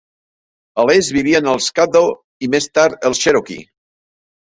A l'est vivien els Caddo i més tard els Cherokee.